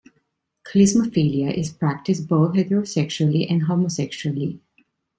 Klismaphilia is practiced both heterosexually and homosexually.